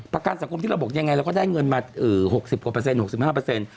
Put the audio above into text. ประกันสังคมที่เราบอกยังไงเราก็ได้เงินมา๖๐ประเซนต์๖๕ประเซนต์